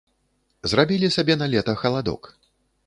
Зрабілі сабе на лета халадок.